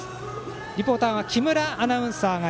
リポーターは木村アナウンサー。